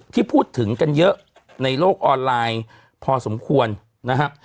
ที่พูดถึงกันเยอะในโลกออนไลน์พอสมควรนะครับ